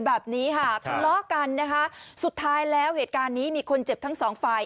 แบบนี้ค่ะทะเลาะกันนะคะสุดท้ายแล้วเหตุการณ์นี้มีคนเจ็บทั้งสองฝ่าย